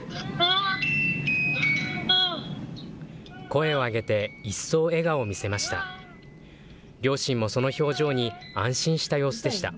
声を上げて、一層笑顔を見せました。